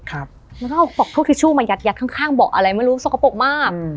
แล้วก็เอาพวกทิชชู่มายัดข้างบอกอะไรไม่รู้สกปรกมาก